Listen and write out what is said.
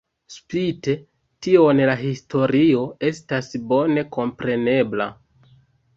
Spite tion la historio estas bone komprenebla.